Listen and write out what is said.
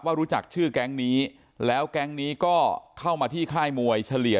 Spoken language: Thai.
รู้จักชื่อแก๊งนี้แล้วแก๊งนี้ก็เข้ามาที่ค่ายมวยเฉลี่ย